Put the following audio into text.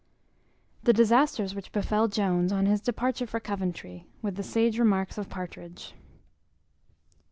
The disasters which befel Jones on his departure for Coventry; with the sage remarks of Partridge.